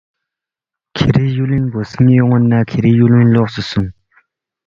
کِھری یُولِنگ گو سنی اون٘ید نہ کِھری یُولِنگ لوقسے سونگ